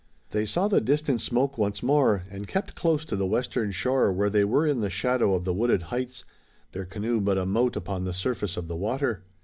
They saw the distant smoke once more, and kept close to the western shore where they were in the shadow of the wooded heights, their canoe but a mote upon the surface of the water.